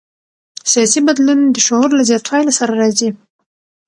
سیاسي بدلون د شعور له زیاتوالي سره راځي